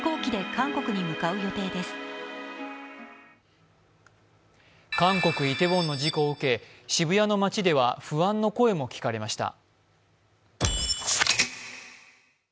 韓国イテウォンの事故を受け渋谷の街では、不安の声も聞かれました。